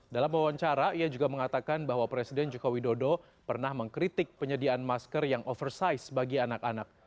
dalam wawancara ia juga mengatakan bahwa presiden joko widodo pernah mengkritik penyediaan masker yang oversize bagi anak anak